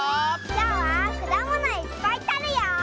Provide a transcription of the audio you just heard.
きょうはくだものいっぱいとるよ！